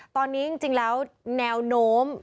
ตอนนี้จริงแล้วแนวโน้ม